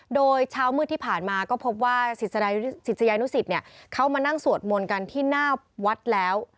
โดยเช้ามืดที่ผ่านมาก็พบว่าศิษยานุสิตเขามานั่งสวดมนต์กันที่หน้าวัดแล้ว